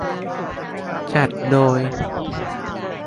จัดโดย